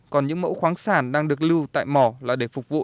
còn những mẫu khoáng sản đang được lưu tại mỏ là để phục vụ